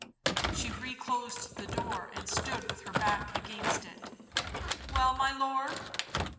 She reclosed the door and stood with her back against it. "Well, my lord?"